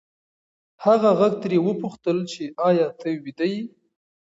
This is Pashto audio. هغه غږ ترې وپوښتل چې ایا ته ویده یې؟